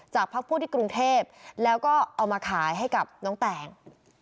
พักผู้ที่กรุงเทพแล้วก็เอามาขายให้กับน้องแตง